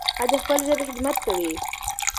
هغه د خپلې ژبې خدمت کوي.